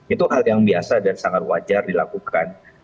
itu hal yang biasa dan sangat wajar dilakukan